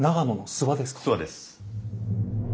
諏訪です。